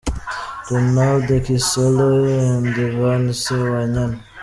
Ronald Kisolo & Ivan Sewanyana.